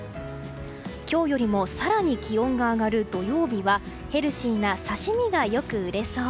今日よりも更に気温が上がる土曜日はヘルシーな刺し身がよく売れそう。